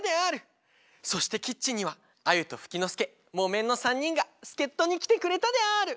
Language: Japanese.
そしてキッチンにはアユとフキノスケモメンの３にんがすけっとにきてくれたである！